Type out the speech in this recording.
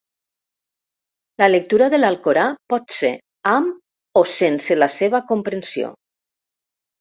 La lectura de l'Alcorà pot ser amb o sense la seva comprensió.